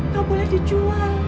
gak boleh dijual